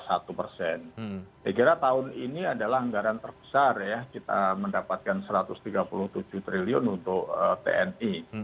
saya kira tahun ini adalah anggaran terbesar ya kita mendapatkan rp satu ratus tiga puluh tujuh triliun untuk tni